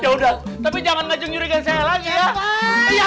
ya udah tapi jangan ngacung nyurikan saya lagi ya